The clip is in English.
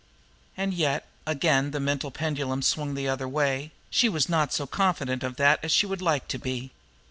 And yet again the mental pendulum swung the other way she was not so confident of that as she would like to be.